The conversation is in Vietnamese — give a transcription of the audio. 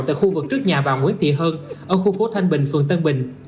tại khu vực trước nhà bà nguyễn thị hơn ở khu phố thanh bình phường tân bình